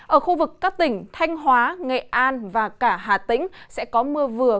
ở khu vực các tỉnh thanh hóa nghệ an và cả hà tĩnh sẽ có mưa vừa